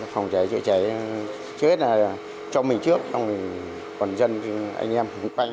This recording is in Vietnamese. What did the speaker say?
phòng cháy chữa cháy trước hết là cho mình trước xong rồi còn dân anh em